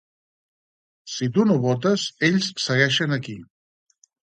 Si tu no votes, ells segueixen aquí!